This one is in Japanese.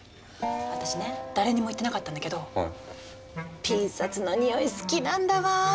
私ね誰にも言ってなかったんだけどピン札の匂い好きなんだわあ。